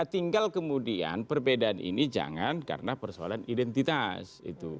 tinggal kemudian perbedaan ini jangan karena persoalan identitas